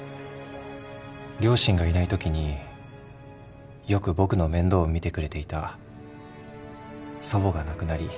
両親がいないときによく僕の面倒を見てくれていた祖母が亡くなり。